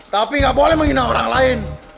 tapi nggak boleh menghina orang lain